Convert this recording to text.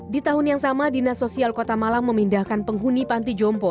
di tahun yang sama dinas sosial kota malang memindahkan penghuni panti jompo